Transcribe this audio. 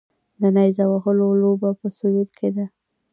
د نیزه وهلو لوبه په سویل کې ده